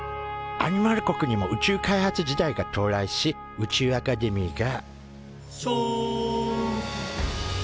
アニマル国にも宇宙開発時代が到来し宇宙アカデミーが「しょん！！」と誕生。